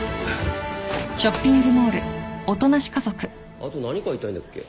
あと何買いたいんだっけ？